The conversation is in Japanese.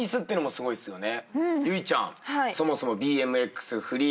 すごいね。